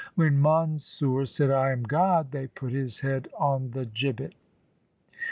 When Mansur said, I am God, they put his head on the gibbet.